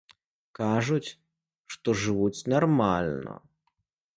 Кажуць, што жывуць нармальна.